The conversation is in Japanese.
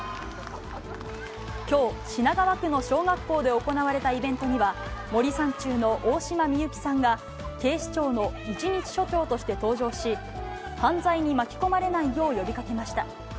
きょう、品川区の小学校で行われたイベントには、森三中の大島美幸さんが警視庁の一日署長として登場し、犯罪に巻き込まれないよう呼びかけました。